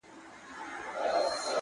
څوک ده چي راګوري دا و چاته مخامخ يمه ـ